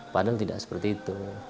padahal tidak seperti itu